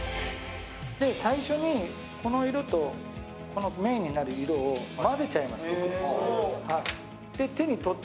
最初にこの色とメーンになる色を混ぜちゃいます。